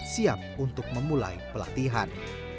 siap untuk memulai pelatihan